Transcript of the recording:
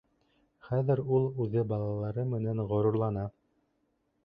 Хәҙер ул үҙе балалары менән ғорурлана.